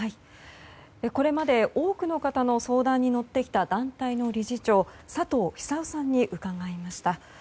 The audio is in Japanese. これまで、多くの方の相談に乗ってきた団体の理事長佐藤久男さんに伺いました。